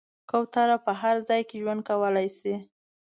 کوتره په هر ځای کې ژوند کولی شي.